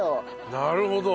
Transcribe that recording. なるほど。